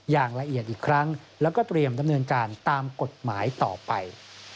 อย่างละเอียดอีกครั้งแล้วก็เตรียมดำเนินการตามกฎหมายต่อไป